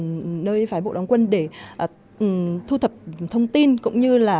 cũng như là phái bộ đóng quân để thu thập thông tin cũng như là phái bộ đóng quân để thu thập thông tin